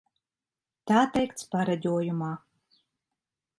Tā teikts pareģojumā.